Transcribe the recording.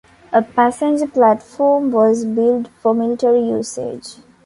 A passenger platform was built for military usage.